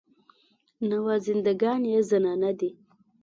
نوازنده ګان یې زنانه دي.